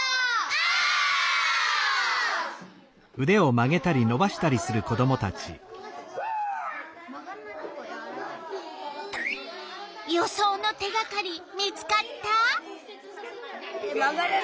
オ！予想の手がかり見つかった？